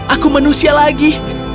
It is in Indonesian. aku manusia lagi